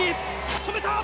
止めた！